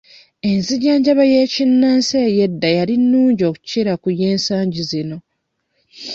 Enzijanjaba y'ekinnansi ey'edda yali nnungi okukira ey'ensangi zino.